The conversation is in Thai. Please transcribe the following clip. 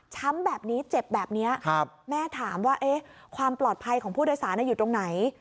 แบบนี้เจ็บแบบนี้แม่ถามว่าความปลอดภัยของผู้โดยสารอยู่ตรงไหน